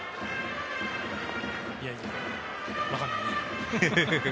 いやいや、分かんないね。